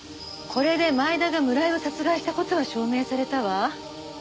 これで前田が村井を殺害した事は証明されたわ。